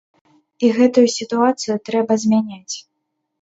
І гэтую сітуацыю трэба змяняць.